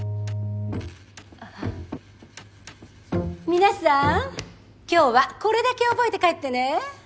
皆さん今日はこれだけ覚えて帰ってね。